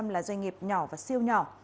là doanh nghiệp nhỏ và siêu nhỏ